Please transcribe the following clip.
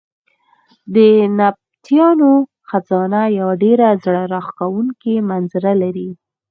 د نبطیانو خزانه یو ډېر زړه راښکونکی منظر لري.